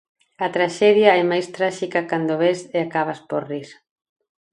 A traxedia é máis tráxica cando a ves e acabas por rir.